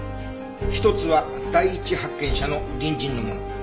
一つは第一発見者の隣人のもの。